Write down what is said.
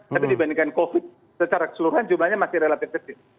tapi dibandingkan covid secara keseluruhan jumlahnya masih relatif kecil